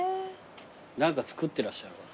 何か作ってらっしゃるわ。